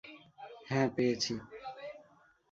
হ্যাঁ, পেয়েছি।